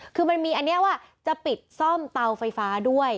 คือมันมีอันนี้ว่าจะปิดซ่อมเตาไฟฟ้าด้วย